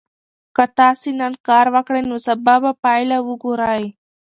که تاسي نن کار وکړئ نو سبا به پایله وګورئ.